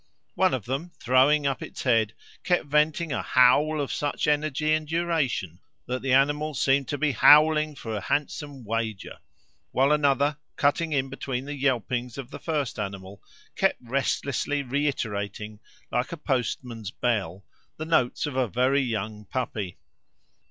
One of them, throwing up its head, kept venting a howl of such energy and duration that the animal seemed to be howling for a handsome wager; while another, cutting in between the yelpings of the first animal, kept restlessly reiterating, like a postman's bell, the notes of a very young puppy.